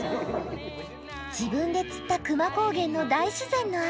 自分で釣った久万高原の大自然の味！